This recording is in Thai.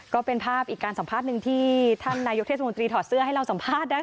ก็เป็นภาพอีกการสัมภาษณ์หนึ่งที่ท่านนายกเทศมนตรีถอดเสื้อให้เราสัมภาษณ์นะคะ